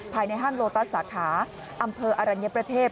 ภายในห้างโลตัสสาขาอำเภออรัญญประเทศ